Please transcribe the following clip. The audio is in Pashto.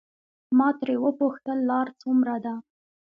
ما ترې وپوښتل لار څومره ده.